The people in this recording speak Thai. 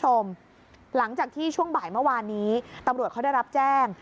หลังจากที่ช่วงบ่ายเมื่อวานนี้ตำรวจเขาได้รับแจ้ง